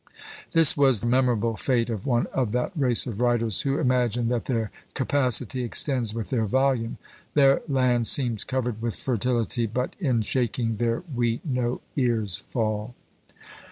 This was the memorable fate of one of that race of writers who imagine that their capacity extends with their volume. Their land seems covered with fertility, but in shaking their wheat no ears fall.